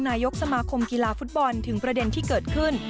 นายกสมาคมกีฬาฟุตบอลถึงประเด็นที่เกิดขึ้น